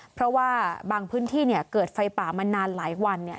เพราะว่าบางพื้นที่เนี่ยเกิดไฟป่ามานานหลายวันเนี่ย